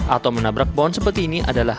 atau menabrak pohon seperti ini adalah